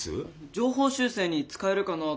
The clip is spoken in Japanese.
情報修正に使えるかなと思って。